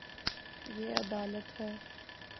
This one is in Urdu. یے ادالت ہے